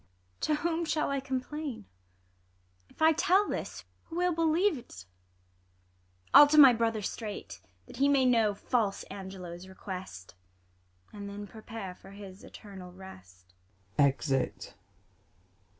[Exit. ISA. To whom shall I complain 1 If I tell this who will believ't 1 I'll to my brother straight. That he may know fiilse Angelo' s request, And then prepare for his eternal rest. \_Exit.